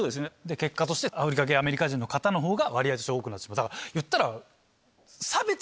結果としてアフリカ系アメリカ人の方のほうが割合として多くなってしまうだからいったら。